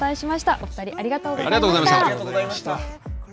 お２人、ありがとうございました。